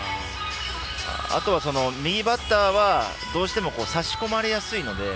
あとは右バッターはどうしても差し込まれやすいです。